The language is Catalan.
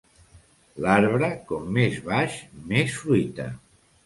L'arbre, com més baix, més fruita.